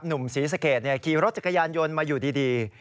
ศรีสะเกดขี่รถจักรยานยนต์มาอยู่ดี